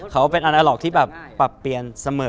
เขาเป็นอันดาล็อกที่แบบปรับเปลี่ยนเสมอ